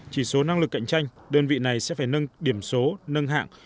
chỉ số năng lực cạnh tranh đơn vị này sẽ phải nâng điểm số nâng hạng